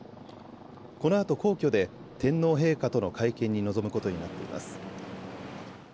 このあと皇居で天皇陛下との会見に臨むことになっています。